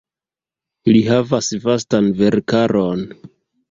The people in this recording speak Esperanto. Li havas vastan verkaron.